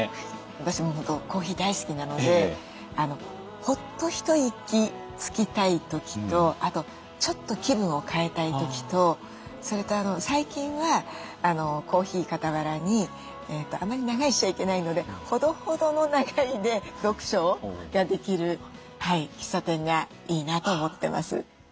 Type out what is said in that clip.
私も本当コーヒー大好きなのでホッと一息つきたい時とあとちょっと気分を変えたい時とそれと最近はコーヒー傍らにあまり長居しちゃいけないのでほどほどの長居で読書ができる喫茶店がいいなと思ってます。